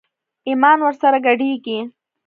ايمان ور سره ګډېږي.